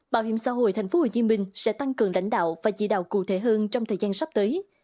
bảo hiểm xã hội thành phố hồ chí minh sẽ tăng cường lãnh đạo và chỉ đạo cụ thể hơn trong thời gian sắp tới